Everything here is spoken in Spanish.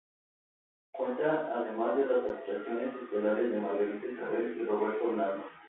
Cuenta además con las actuaciones estelares de Margarita Isabel y Roberto Blandón.